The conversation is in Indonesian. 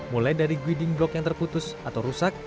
mulai dari wedding block yang terputus atau rusak